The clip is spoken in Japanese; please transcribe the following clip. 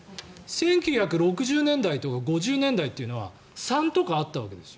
１９６０年代とか５０年代というのは３とかあったわけです。